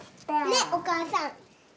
ねっお母さん。